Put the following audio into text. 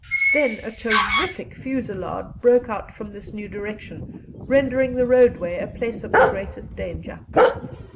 Then a terrific fusillade broke out from this new direction, rendering the roadway a place of the greatest danger.